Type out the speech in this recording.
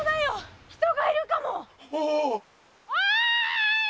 おい！